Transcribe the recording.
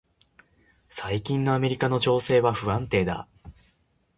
最近のアメリカの情勢は不安定だ。